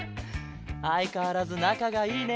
あいかわらずなかがいいね。